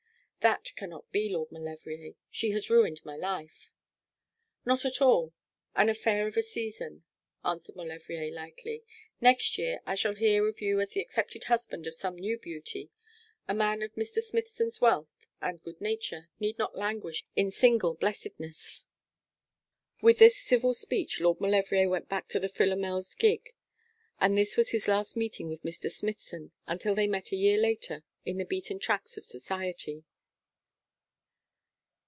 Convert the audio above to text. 'That cannot be, Lord Maulevrier. She has ruined my life.' 'Not at all. An affair of a season,' answered Maulevrier, lightly. 'Next year I shall hear of you as the accepted husband of some new beauty. A man of Mr. Smithson's wealth and good nature need not languish in single blessedness.' With this civil speech Lord Maulevrier went back to the Philomel's gig, and this was his last meeting with Mr. Smithson, until they met a year later in the beaten tracks of society.